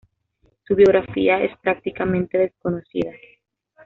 Su biografía es prácticamente desconocida.